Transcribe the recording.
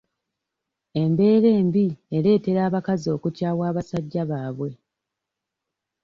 Embeera embi ereetera abakazi okukyawa abasajja baabwe.